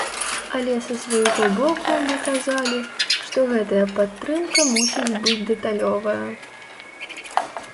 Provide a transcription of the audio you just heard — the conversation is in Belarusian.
Але са свайго боку мы казалі, што гэтая падтрымка мусіць быць дэталёвая.